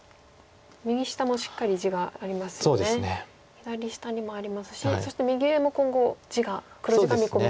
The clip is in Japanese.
左下にもありますしそして右上も今後黒地が見込めそうと。